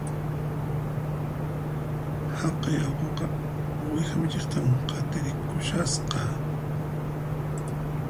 Haqay allquqa uwiha michiqta qatirikushasqa